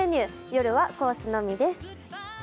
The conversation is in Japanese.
夜はコースのみです。